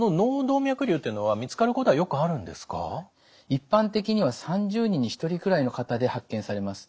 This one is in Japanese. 一般的には３０人に１人くらいの方で発見されます。